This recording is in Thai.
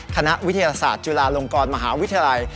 คณะวิทยาศาสตร์จุฬาลงกรมหาวิทยาลัย